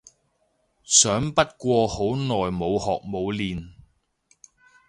想不過好耐冇學冇練